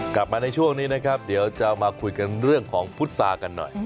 กลับมาในช่วงนี้นะครับเดี๋ยวจะมาคุยกันเรื่องของพุษากันหน่อย